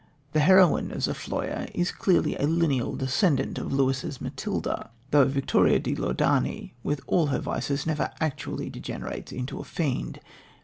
The heroine of Zofloya is clearly a lineal descendant of Lewis's Matilda, though Victoria di Loredani, with all her vices, never actually degenerates into a fiend.